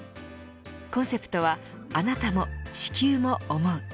コンセプトはあなたも地球も想う。